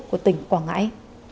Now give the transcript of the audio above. của tỉnh quảng ngãi